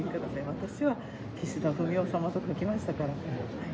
私は岸田文雄様と書きましたから。